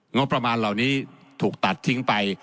งบประมาณเหล่านี้ถูกตัดทิ้งไป